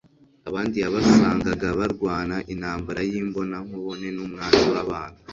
Abandi yabasangaga barwana intambara y'imbona nkubone n'umwanzi w'abantu.